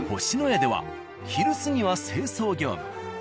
「星のや」では昼過ぎは清掃業務。